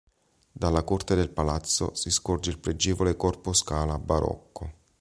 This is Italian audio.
Dalla corte del Palazzo si scorge il pregevole corpo scala barocco.